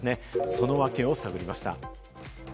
そのワケを探りました。